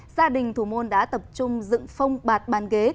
gia đình thủ môn đã tập trung dựng phong bạt bàn ghế